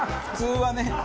普通はね。